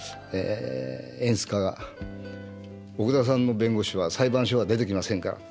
演出家が「奥田さんの弁護士は裁判所が出てきませんから」。